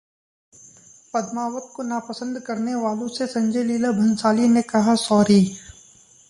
पद्मावत को नापसंद करने वालों से संजय लीला भंसाली ने कहा- Sorry